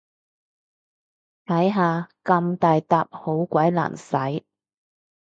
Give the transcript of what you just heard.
睇下，咁大撻好鬼難洗